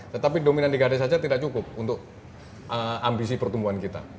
tetapi dominan di gade saja tidak cukup untuk ambisi pertumbuhan kita